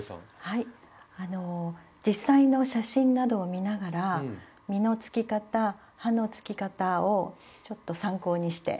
はいあの実際の写真などを見ながら実のつき方葉のつき方をちょっと参考にして。